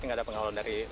ada pengawalan dari